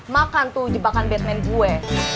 makan tuh jebakan batman gue